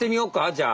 じゃあ。